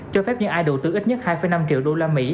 cho phép những ai đầu tư ít nhất hai năm triệu usd